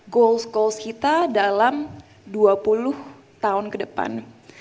goals goals kita dalam dua puluh tahun ke depan